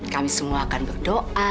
kami semua akan berdoa